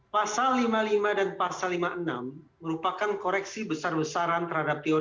pasal lima puluh lima dan pasal lima puluh enam merupakan koreksi besar besaran terhadap teori